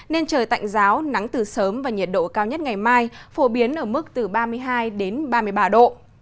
nên trời tạnh giáo nắng từ sớm và nhiệt độ cao nhất ngày mai phổ biến ở mức từ ba mươi hai đến ba mươi ba độ